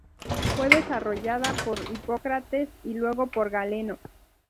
Fue desarrollada por Hipócrates y luego por Galeno.